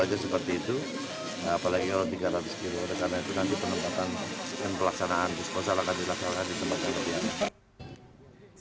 karena itu nanti penempatan dan pelaksanaan disposal akan dilaksanakan di tempat yang lebih aman